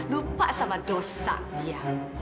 lupa sama dosa dia